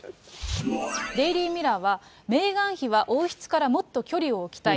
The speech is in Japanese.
デイリー・ミラーは、王室からもっと距離を置きたい。